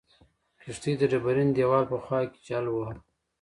کښتۍ د ډبرین دیوال په خوا کې جل واهه.